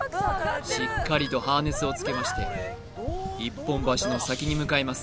しっかりとハーネスをつけまして一本橋の先に向かいます